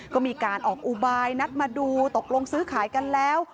ก็มีการออกอุบายนัดมาดูตกลงซื้อขายกันแล้ว